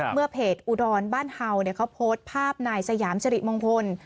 เมื่อเพจอุดรบ้านเห่าเขาโพสต์ภาพนายสยามสิริมงคล